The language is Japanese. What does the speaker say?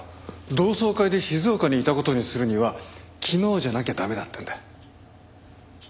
同窓会で静岡にいた事にするには昨日じゃなきゃ駄目だったんだ。